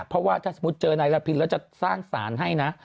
เพราะว่าถ้าสมมุติเจอนายละพินแล้วจะสร้างสารให้นะ